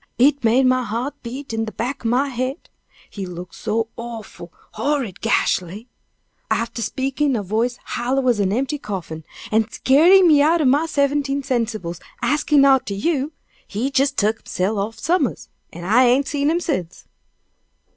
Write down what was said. It made my heart beat in de back o' my head he look so awful, horrid gashly! Arter speakin' in a voice hollow as an empty coffin, an' skeerin' me out'n my seventeen sensibles axin arter you, he jes tuk hisself off summers, an' I ain't seen him sence."